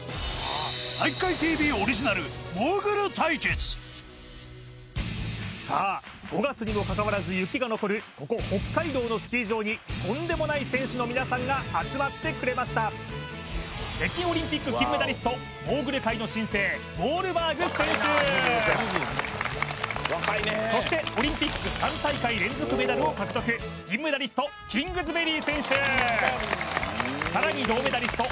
まずはさあ５月にもかかわらず雪が残るここ北海道のスキー場にとんでもない選手の皆さんが集まってくれました北京オリンピック金メダリストモーグル界の新星ウォールバーグ選手そしてオリンピック３大会連続メダルを獲得銀メダリストキングズベリー選手さらに銅メダリスト